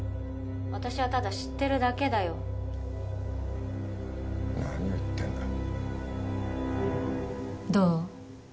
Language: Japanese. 私はただ知ってるだけだよ何を言ってんだどう？